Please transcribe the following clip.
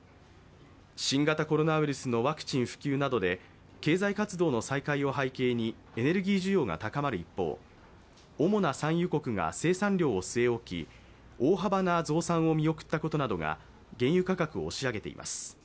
新型コロナウイルスのワクチン普及などで経済活動の再開を背景にエネルギー需要が高まる一方、主な産油国が生産量を据え置き大幅な増産を見送ったことなどが原油価格を押し上げています。